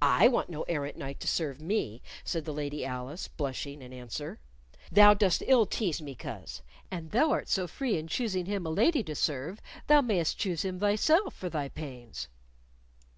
"I want no errant knight to serve me," said the Lady Alice, blushing, in answer. "Thou dost ill tease me, coz! An thou art so free in choosing him a lady to serve, thou mayst choose him thyself for thy pains."